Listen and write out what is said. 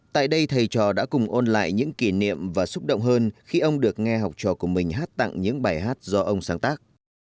tại đây thầy trò đã cùng ôn lại những kỷ niệm và xúc động hơn khi ông được nghe học trò của mình hát tặng những bài hát do ông sáng tác